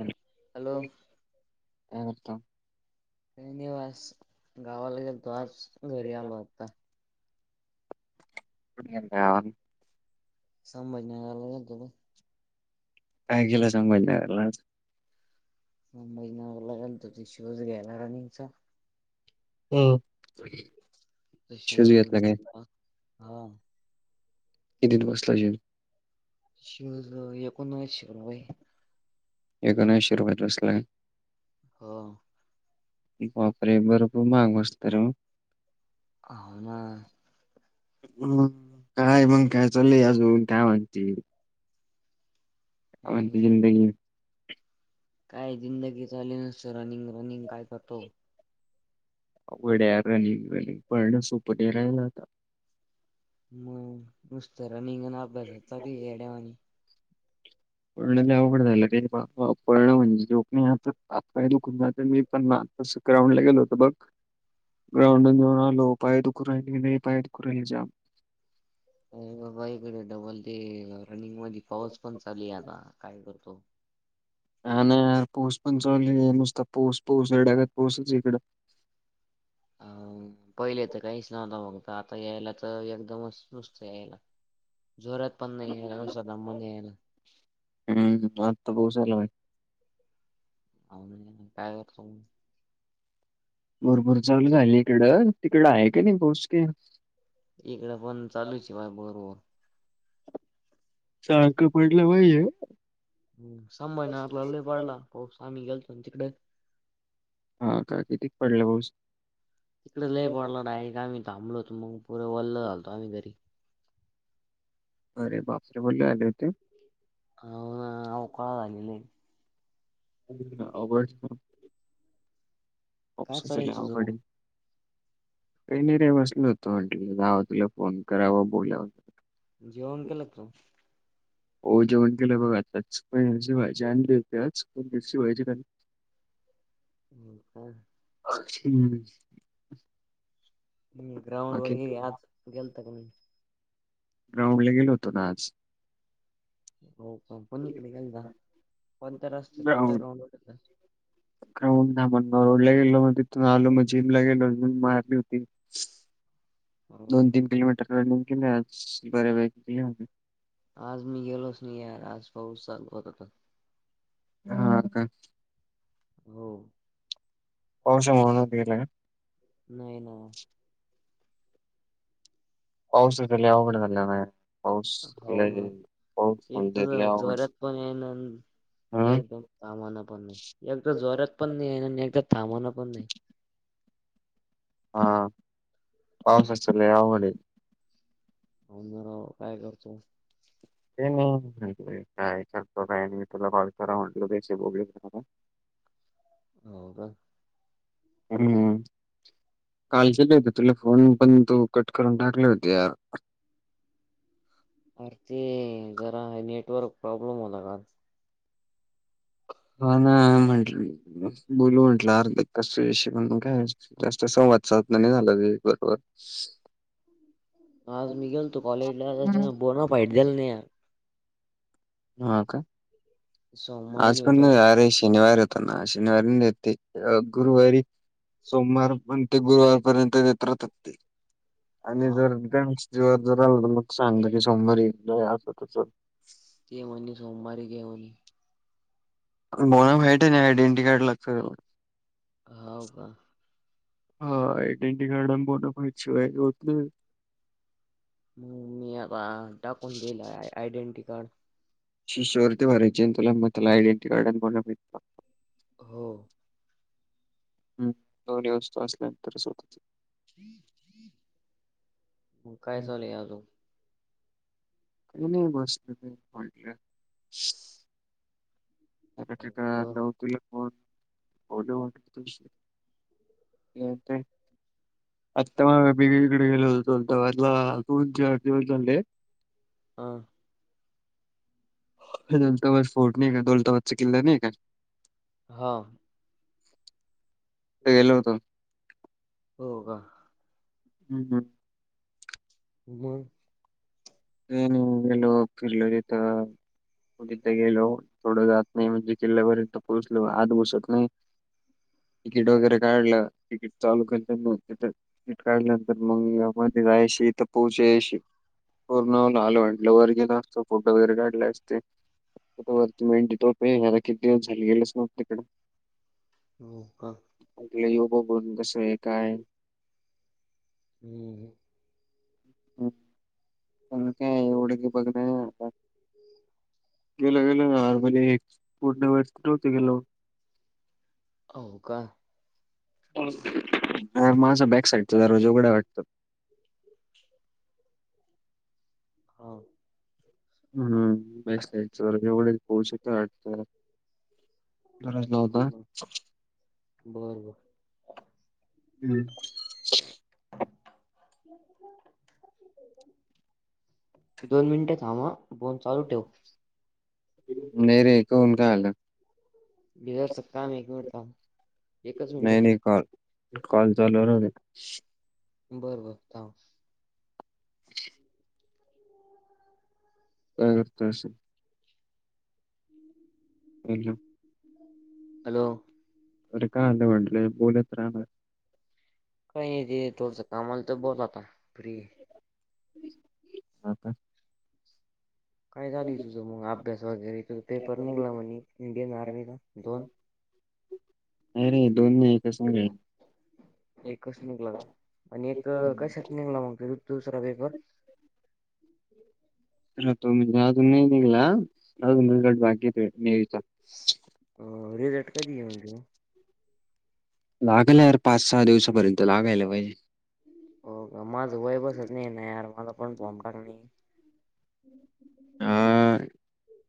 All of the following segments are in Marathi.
आणि हॅलो बोल की, काय म्हणता? काय आणि वास. गावाला गेलतो आज घरी आलो आता. अ [unintelligible] समज नाही आला ना तुला. का गेलास. समजणाऱ्या मग महिन्याला गणपती शूज घ्यायला रनिंगचा हम्म तर शूज घेऊन येऊया काय तुला हा कितीत बसला शूज शूज एकूण नाही शिवल होय. एकोणऐशी रुपयाला बसलेत. हा बापरे, भरपूर महाग बसतय र होह ना हम काय मग काय चालू आहे. अजून का म्हनती? काय म्हणती जिंदगी काय जिंदगी झाली ना ते रनिंग रनिंग काय करतो. वड्या रनिंग रनिंग पळण सोप नाही राहिल आता. मग नुसतं रनिंग आणि अभ्यासच चालू आहे. ती येड्यावाणी उवड [unintelligible] पळणं म्हणजे सोप नाही बा तू हात पाय दुखून जात. मी पण ना हात पाय ग्राउंड ला गेलो होत बघ ग्राउंड घेऊन आलो पाय दुखून राहिल की नाही पाय दुखूण राहिल जाम. हो बा ईकडे डबल ते रनिंग मध्ये पाऊस पण चालू आहे आता काय करतो. हा ना पाऊस पण चालू नुसता पाऊस पाऊस येड्यागत पाऊसच आहे इकडं अ पहिले तर काहीच नव्हत मग आता यायला तर एकदमच नुसत यायला. जोरात पण नाही. आहेस म येणार हम्म आता पाऊस आला होय. अन काय करत भरपूर चालू झाली इकडं तिकड आहे का नाही पाऊस काही इकड पण चालूच बाय बरोबर. सारखं पडलं [unintelligible] पाहिजे हो स्वामी गेलतो तिकडे हा का किती पडला पाऊस तिकडे लया पडला झाडाखाली आम्ही थांबलो होतो. मग पुरे वल्ल झालतो आम्ही घरी अरे बापरे, वले आले होते. हो ना काव आली लय [unintelligible] काय पस चालू आहे तुझं सगवकडे [unintelligible] काही नाही रे बसल होतं. म्हटलं जावं तुला फोन करावा बोलावं. जेवन केलं का तू? हो जेवण केलं बघा आताच पनीरची भाजी आणली होती आज पण ते [unintelligible] हम्म का हम्म. मंग ग्राउंड बाकी वगै आज गेलता का नाही? ग्राउंडला गेलो होतो ना आज. हो का कुणीकडे गेलता कोणत्या रस्ते, कोणत्या ग्राउंडवर गेलता? ग्राउंडला म्हण [unintelligible] रोडला गेलो मग तिथून आलो मग जिमला गेलो जिम मारली होती हो दोन तीन किलोमीटर रनिंग केले आज बऱ्यापैकी [unintelligible] आज मी गेलोच नाही यार आज पाऊस चालू होता तं. हा का. हो. पावसामुळ [unintelligible] गेला का? नाही ना पाऊस [unintelligible] लई आवघड झालं नाय. हाव ना एक म्हणजे तर लय अवघड जोऱ्यात पण येईना आण हम्म. एकदम थांबणा पण नाही एकट जोरात पण नाही आहे आणि एकदा थांबना पण नाही. हा पावसात सगळे आवघड हे. होना राव काय करतो ये नाही [unintelligible] काय करता काय मी तुला कॉल करा म्हटल त आशे प्रॉब्लेम हो का? हम्म, कालच [unintelligible] तुला फोन पण तू कट करून टाकले होते यार. आर ते जरा नेटवर्क प्रॉब्लेम होता का आज? हो ना म्हंटल बोलू म्हंटलं आर्ध कस हे विषय पण काय आज जास्त संवाद साधना नाही झाला [unintelligible] आज मी गेलतो कॉलेजला आता हम्म त्यान बोनाफाईड देल नाही. हा का सोमवारीच आज पण भेटेल का. आरे शनिवार होत ना शनिवारी नाही ते गुरुवारी सोमवार पण ते गुरुवारपर्यंत देत राहतात ते. आणि हा जर त्याच जीवावर जर राहिलो मग सांग की सोमवारी अस तस ते म्हणी सोमवारी घे म्हणे. बोनाफाईट नाही आयडेंटी कार्ड लागत. हाव का? हा आयडेंटी कार्ड आण बोनाफाईड शिवाय होत नाही. मी आता टाकून दिला आय आयडेंटी कार्ड. शिष्यवृत्ती भरायची न तुला म त्याला आयडेंटी कार्ड आण बोनाफाईड हो. हम् दोन्ही वस्तू असल्यानंतरच होत ते. काय काही चालुयें आजून? मी मस्त [unintelligible] ठका हो ठीका का लाऊ तुला फोन? [unintelligible] गर्लफ्रेंड आता माया बेबीकडे गेलो होतो [unintelligible] दोन चार दिवस झाले हा. [unintelligible] बाद स्फोर्ट नाही का दौलताबादचा किल्ला नाही का? हा. तिथं गेलो होतो. हो का? हम् हम्. मंग काय नाही ब गेलो, फिरलो तिथ तिथ गेलो पुढं जात नाही म्हणजे किल्ल्यापर्यंत पोहचलो आत घुसत नाही तिकीट वगैरे काढलं तिकीट चालू कर त्यां. तीकीट काढल्यानंतर मग मध्ये जायशीथ पोहोचायशी. पूर्ण आलं म्हटलं का? वरिजिन असतं फोटो वगैरे काढला असते. वरती मेंट तो प किती दिवस झाले गेलेचव्ह तिकं हम्म हा. आपलं यो बघून कसं आहे काय. हम्म. हम. पण काय एवढं की बघण आता. गेलं गेलंर म्हणजे पूर्ण वरती नव्हत गेलो. हो का [unintelligible] माझा बॅक साइडचा दरवाजा उघडं आहे वाटतं. हा. हम् तेवढेच पोचत. गरज न हो होता [inaudible] ना. बर बर हम्. क [unintelligible] दोन मिनटे थांब अ फोन चालू ठेव. नाही रे करून काय आलं. बिर सत्ताम एक मिनिट एकच मिनिट. का. कॉल चाल. बरं बरं थांब. का करतश. हो ना. हॅलो! तर का वड बोलत रा. का ते थोडसा कामवा तर बहत आता फ्री. हो का. काय झाली तुझं मग अभ्यास वगैरे तुझ पेपर निघला म्हण इंडियन आर्मिला दोन. अ रे दोन नाही कस र. कस निघला आणि एक कशात निघला मग त दुसरा पेपर. ह तोे अ न देला अून रिझलट बाकीे नेचा. अ रे रेट कधी आहे म्हणजे. लागलर पाच-सहा दिवसापर्यंत लागायला पाहिजे. हो का माझं वय बसत नाही नाही यार मला पण फॉ्ब टाक नाही. हा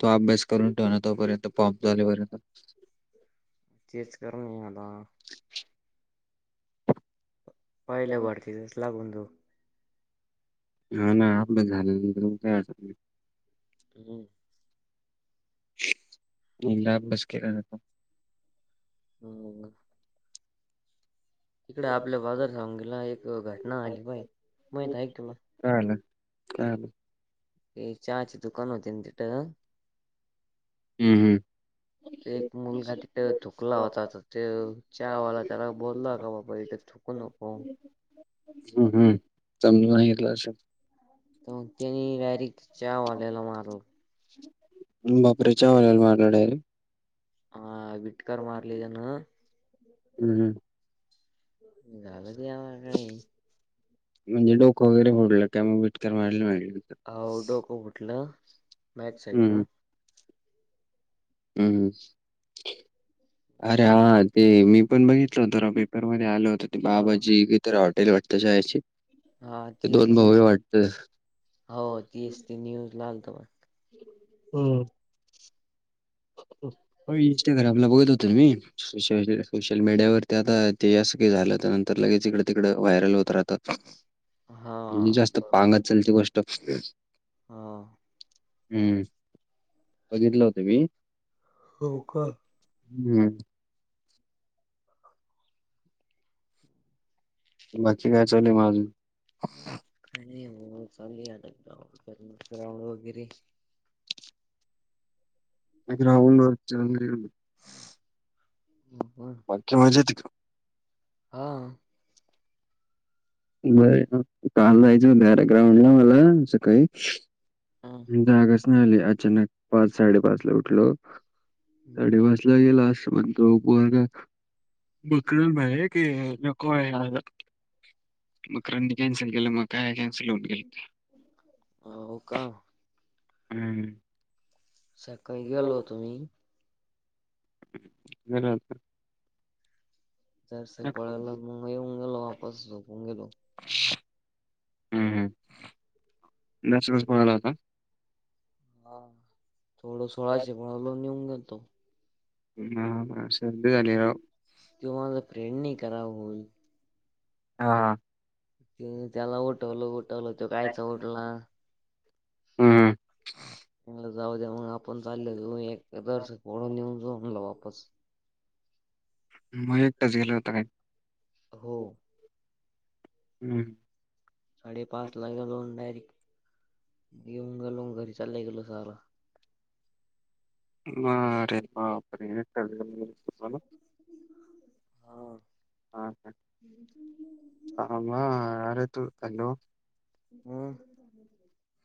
तो अभ्यास करून ठेव ना तोपर्यंत पॉम्प झालेपर्यंत. तेचेच कर नाही आता. पहिले भडकीेस लागून तो. हा ना आपलं झालं तर म का. हम्म. [unintelligible] हम्म. ईकडे आपल्या बाजार सग गेला एक घटना आली बाई माहित ऐ तुला. ले चाले. हे चहाची दुकान होते तिथं. हम्म हम्म. ते एक हम्म मुलगा तिथे थुकला होता ते हावाला त्याला बोलला हो का बाबा इथ. थुकु नको. हम्म हम् समज तर माला. त्यानी वॅरिक चहा वालेला मार. बापरे! च्यावाल्याला मारला डायरेक्ट हा विटकार मारले ज्यान हुं हुं. झाल तेला काही म्हणजे डोकं वगैरे फोडलं का मग? वीट तर मारली म्हणे आओ डोक फुठलं बॅक साईड हम्म न हम्म आरे आज ते मी पण बघितलं होत राव पेपरमध्ये आल होत, ते हा बाबाजी काय तर हॉटेल वाटतय? शाळेची हा ते दोन भाऊ हाय वाटतं. आओ तेच ती न्यूज ला आलत बघा. हम्म. होय इंस्टाग्रामला बघत होतो मी, सोशल मीड सोशल मीडियावरती आता ते असं काय झालं तर नंतर लगेच इकडं तिकडं, व्हायरल होत राहतात ना. हा म्हंजे जास्त पांगत चालते ही गोष्ट खरी असतं हां. हम्म बघितलं होत मी. हो का? हम्म. बाकी काय चालूय म आजून? काय नाही ओ [unintelligible] राऊंड वगैरे मी ग्राउंडवर जाणार ए हो बाकी का मजा येते का हां? बरं हाय ना काल जायचं होत, यार ग्राउंडला मला सकाळी. हा. जागच नाय आली अचानक पाच साडेपाच ला उठलो. साडेपाच ला गेलो आज सुमन जवळ कोण नाय. मकरंद भाई हाय की नको हाय यायला मकरंद नी कॅन्सल केलं मग काय कॅन्सल होऊन गेल. अ हो का? हम. सकाळी गेलो होतो मी घरात. चार से पळालो मग येऊन गेलो वापस झोपून गेलो. हम्म नॅचरल पळाला होता. हा थोड सोळाशे पळालो निऊन घेेतो. हा मला सर्दी झली राव. त्यो माझा फ्रेंड नाही खरा बोल. हा. ते मी त्याला उठवलं उठवलं तो कायचा उठला हम्म. म्हणलं जाऊ द्या मला गप पण चाललोय एक तर कोड नेऊन, झोपला वापस मग एकटाच गेला होता काय? हो. हम्. साडेपाच ला गेलो डायरेक्ट येेऊन गेलो घरी चाललं गेल सारं आरे बापरे हेच तर बोली होती मला हा. हा का थांब हा आरे तू हॅलो. हम.